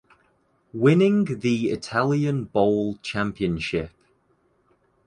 Winning the Italian Bowl championship.